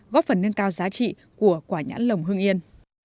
góp phần nâng cao giá trị của quả nhãn lồng hưng yên